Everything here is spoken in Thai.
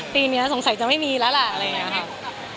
ปีนี้สงสัยจะไม่มีแล้วล่ะอะไรอย่างนี้ค่ะ